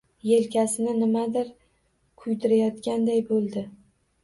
Yelkasini nimadir kuydirayotganday bo’ldi.